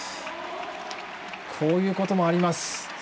こういうこともあります。